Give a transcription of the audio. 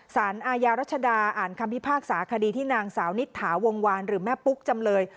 สารอาญารัชดาอ่านคำพิพากษาคดีที่นางสาวนิตถาวงวานหรือแม่ปุ๊กจำเลย